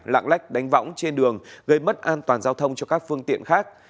lạng lách đánh võng trên đường gây mất an toàn giao thông cho các phương tiện khác